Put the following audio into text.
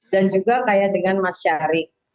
dan juga kayak dengan mas syarik